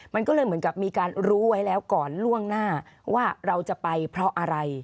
มันก็เลยเหมือนกับมีการรู้ไว้แล้วก่อนล่วงหน้าว่าเราจะไปเพราะอะไร